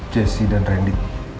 jessy dan randy